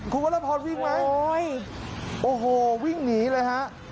คุณวรพรวิ่งไหมโอ้โหวิ่งหนีเลยฮะ